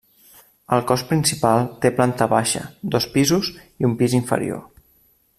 El cos principal té planta baixa, dos pisos i un pis inferior.